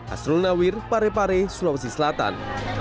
asrul nawir parepare sulawesi selatan